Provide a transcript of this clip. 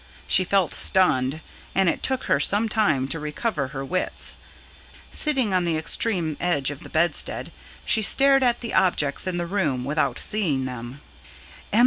She felt stunned, and it took her some time to recover her wits. Sitting on the extreme edge of the bedstead, she stared at [P.181] the objects in the room without seeing them. "M.